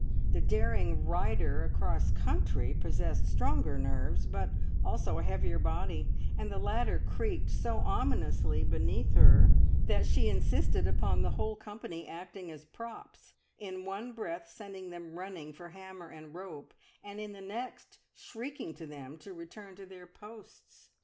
The daring rider across country possessed stronger nerves, but also a heavier body, and the ladder creaked so ominously beneath her that she insisted upon the whole company acting as props, in one breath sending them running for hammer and rope, and in the next shrieking to them to return to their posts.